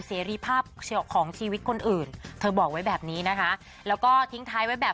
เสรีภาพของชีวิตคนอื่นเธอบอกไว้แบบนี้นะคะแล้วก็ทิ้งท้ายไว้แบบ